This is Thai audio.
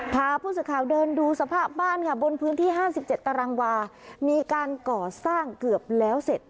พาผู้สื่อข่าวเดินดูสภาพบ้านค่ะบนพื้นที่๕๗ตารางวามีการก่อสร้างเกือบแล้วเสร็จ